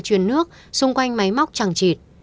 chuyển nước xung quanh máy móc tràng trịt